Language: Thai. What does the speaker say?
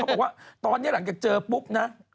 บอกว่าตอนนี้หลังจากเจอปุ๊บนะ